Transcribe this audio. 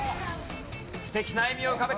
不敵な笑みを浮かべて。